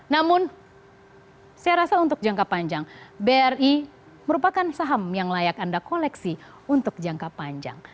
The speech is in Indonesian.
namun saya rasa untuk jangka panjang bri merupakan saham yang layak anda koleksi untuk jangka panjang